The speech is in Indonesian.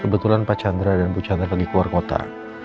kebetulan pak chandra dan bu chandra lagi keluar kota